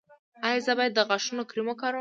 ایا زه باید د غاښونو کریم وکاروم؟